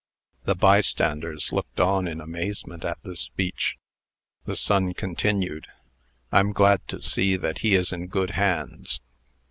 The bystanders looked on in amazement at this speech. The son continued: "I'm glad to see that he is in good hands.